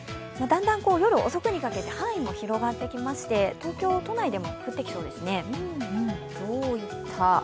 だんだん夜遅くにかけて範囲も広がってきまして東京都内でも降ってきそうですね。